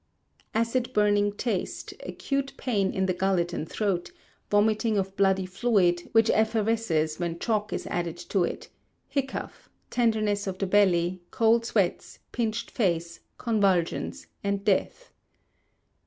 Acid burning taste, acute pain in the gullet and throat, vomiting of bloody fluid, which effervesces when chalk is added to it; hiccough, tenderness of the belly, cold sweats, pinched face, convulsions, and death.